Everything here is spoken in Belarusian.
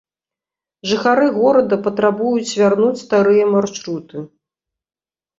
Жыхары горада патрабуюць вярнуць старыя маршруты.